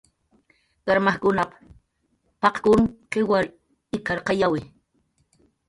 "Karmajkunaq paq""kun qiwar ik""arqayawi"